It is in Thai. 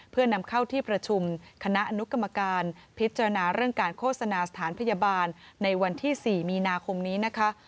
เพื่อนำเข้าที่ประชุมคณะอนุกรรมการพิจารณาเรื่องการโฆษณาสถานพยาบาลในวันที่๔มีนาคมนี้นะคะ